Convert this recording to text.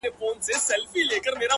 او تاته زما د خپلولو په نيت ـ